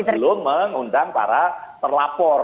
sebelum mengundang para terlapor